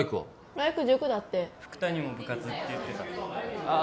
来玖塾だって福谷も部活って言ってたあ